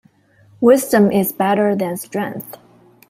Wisdom is better than strength.